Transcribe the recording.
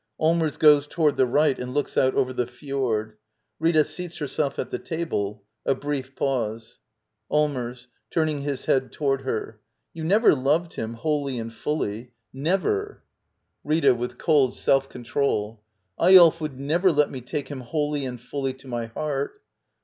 [Allmers goes toward the right and looks out over the fjord. Rita seats herself at the table. A brief pause.] . Allmers. [Turning his head toward her.] You never loved him, wholly and fully — never! 66 Digitized by VjOOQIC Act 11. ^ LITTLE EYOLF Rita. [With cold self control.] Eyolf would never let me take him wholly and fully to my heart.